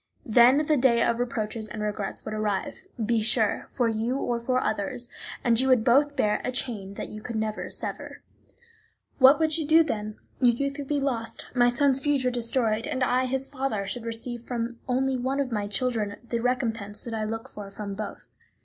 Then the day of reproaches and regrets would arrive, be sure, for you or for others, and you would both bear a chain that you could not sever. What would you do then? Your youth would be lost, my son's future destroyed; and I, his father, should receive from only one of my children the recompense that I look for from both.